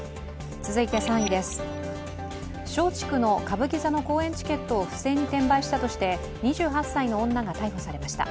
続いて３位です、松竹の歌舞伎座の公演チケットを不正に転売したとして２８歳の女が逮捕されました。